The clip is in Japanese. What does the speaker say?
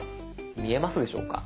見えますでしょうか？